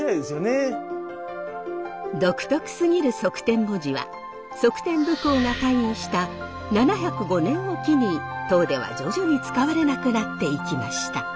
独特すぎる則天文字は則天武后が退位した７０５年を機に唐では徐々に使われなくなっていきました。